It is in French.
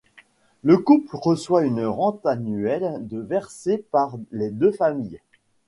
Le couple reçoit une rente annuelle de versée par les deux familles.